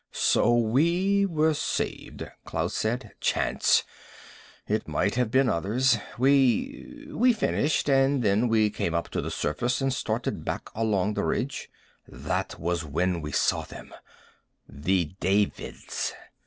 "So we were saved," Klaus said. "Chance. It might have been others. We we finished, and then we came up to the surface and started back along the ridge. That was when we saw them, the Davids.